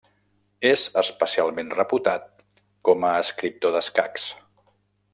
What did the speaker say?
És especialment reputat com a escriptor d'escacs.